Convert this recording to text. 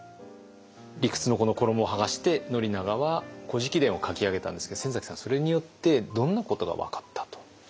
理屈のこの衣をはがして宣長は「古事記伝」を書き上げたんですけど先さんはそれによってどんなことが分かったと？